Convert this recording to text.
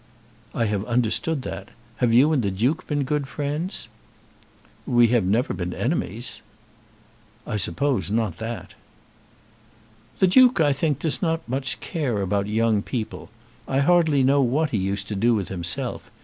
"I have understood that. Have you and the Duke been good friends?" "We have never been enemies." "I suppose not that." "The Duke, I think, does not much care about young people. I hardly know what he used to do with himself.